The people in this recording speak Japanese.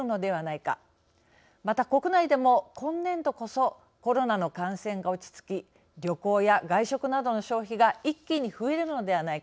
また国内でも今年度こそコロナの感染が落ち着き旅行や外食などの消費が一気に増えるのではないか。